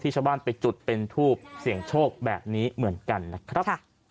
ชาวบ้านไปจุดเป็นทูบเสี่ยงโชคแบบนี้เหมือนกันนะครับ